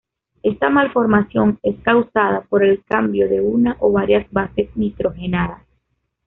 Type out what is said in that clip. Esta malformación es causada por el cambio de una o varias bases nitrogenadas.